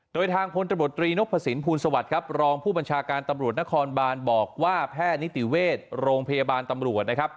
โดยทางพลตบตรีนพสินภูลสวัสดิ์ครับรองผู้บัญชาการตำรวจนครบานบอกว่าแพทย์นิติเวชโรงพยาบาลตำรวจนะครับ